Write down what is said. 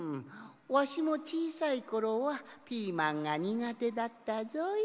わしもちいさいころはピーマンがにがてだったぞい。